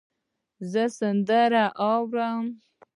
زه سندرې اورم.